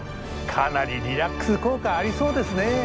かなりリラックス効果ありそうですね。